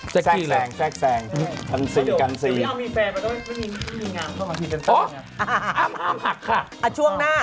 ช่วงหน้าช่วงหน้า